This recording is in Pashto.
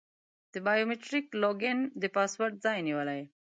د بایو میتریک لاګین د پاسورډ ځای نیولی.